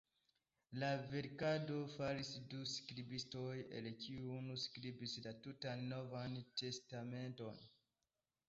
La verkadon faris du skribistoj, el kiuj unu skribis la tutan Novan Testamenton.